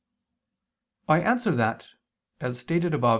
I answer that, As stated above (A.